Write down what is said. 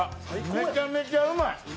めちゃめちゃうまい！